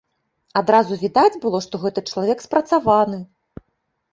Адразу відаць было, што гэты чалавек спрацаваны.